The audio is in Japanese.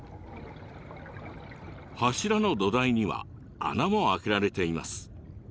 柱の土台には穴も開けられています。